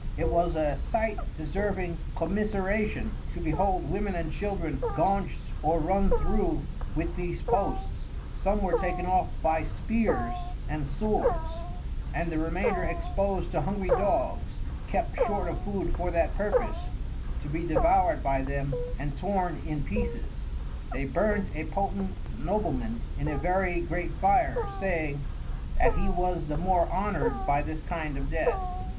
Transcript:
It was a sight deserving Commiseration, to behold Women and Children gauncht or run through with these Posts, some were taken off by Spears and Swords, and the remainder expos'd to hungry Dogs, kept short of food for that purpose, to be devour'd by them and torn in pieces. They burnt a Potent Nobleman in a very great Fire, saying, That he was the more Honour'd by this kind of Death.